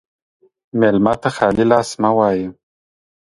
مېلمه ته خالي لاس مه وایه.